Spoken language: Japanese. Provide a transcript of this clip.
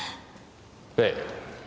ええ。